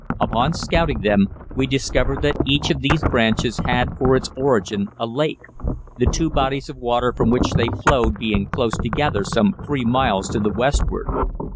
Upon scouting them, we discovered that each of these branches had for its origin a lake, the two bodies of water from which they flowed being close together some three miles to the westward.